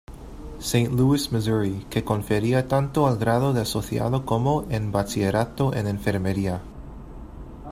Louis, Missouri, que confería tanto el grado de asociado como de bachillerato en enfermería.